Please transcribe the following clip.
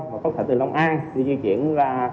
và có thể từ long an đi di chuyển ra